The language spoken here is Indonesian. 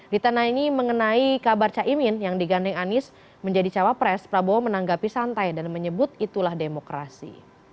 di tengah ini mengenai kabar caimin yang digandeng anies menjadi cawapres prabowo menanggapi santai dan menyebut itulah demokrasi